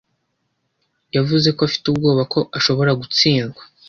Yavuze ko afite ubwoba ko ashobora gutsindwa.